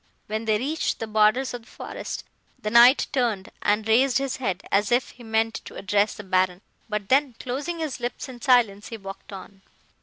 "When they reached the borders of the forest, the Knight turned, and raised his head, as if he meant to address the Baron, but then, closing his lips in silence, he walked on.